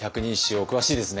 お詳しいですね。